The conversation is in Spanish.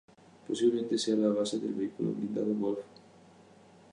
Posiblemente sea la base del vehículo blindado Wolf.